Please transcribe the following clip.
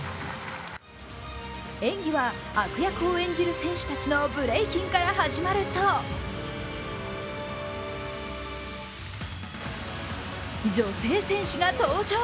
演技は悪役を演じる選手たちのブレイキンから始まると女性戦士が登場。